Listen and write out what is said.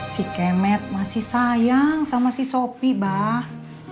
si kemet masih sayang sama si sopi bah